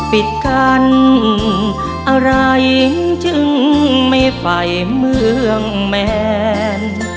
ปิดกันอะไรจึงไม่ไปเมืองแมน